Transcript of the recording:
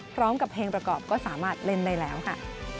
พร้อมกับเพลงประกอบก็สามารถเล่นได้แล้วค่ะ